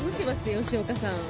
吉岡さん。